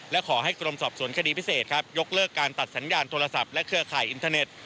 และขอให้กรมสอบสวนคดีพิเศษครับยกเลิกการตัดสัญญาณโทรศัพท์และเครือข่ายอินเทอร์เน็ต